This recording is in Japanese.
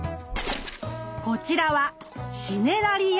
こちらはシネラリア。